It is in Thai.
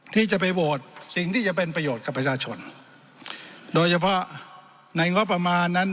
ที่จะไปโหวตสิ่งที่จะเป็นประโยชน์กับประชาชนโดยเฉพาะในงบประมาณนั้น